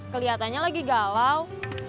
keliatannya lagi galau